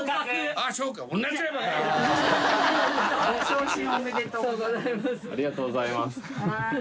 鎖おめでとうございます。